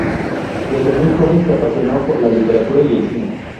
Desde muy joven se apasionó por la literatura y el cine.